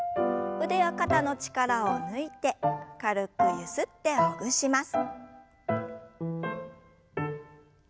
腕や肩の力を抜いて軽くゆすってほぐします。